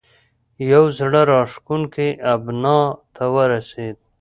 یوه زړه راښکونې ابنا ته ورسېد.